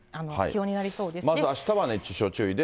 まずあしたは熱中症注意で。